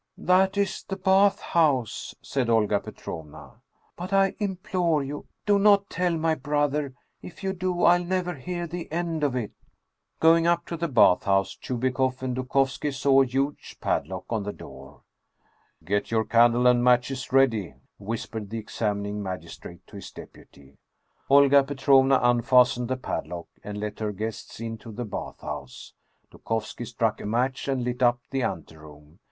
" That is the bath house," said Olga Petrovna. " But I implore you, do not tell my brother ! If you do, I'll never hear the end of it !" Going up to the bath house, Chubikoff and Dukovski saw a huge padlock on the door. " Get your candle and matches ready," whispered the examining magistrate to his deputy. Olga Petrovna unfastened the padlock, and let her guests into the bath house. Dukovski struck a match and lit up the anteroom.